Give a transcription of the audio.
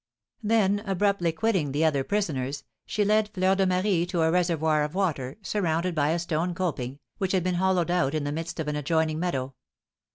Then abruptly quitting the other prisoners, she led Fleur de Marie to a reservoir of water, surrounded by a stone coping, which had been hollowed out in the midst of an adjoining meadow.